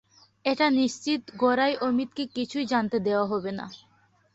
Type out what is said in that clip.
এটা নিশ্চিত, গোড়ায় অমিতকে কিছুই জানতে দেওয়া হবে না।